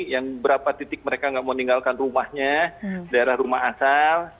yang berapa titik mereka nggak mau meninggalkan rumahnya daerah rumah asal